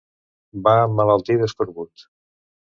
Va emmalaltir d'escorbut.